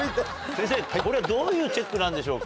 先生これはどういうチェックなんでしょうか？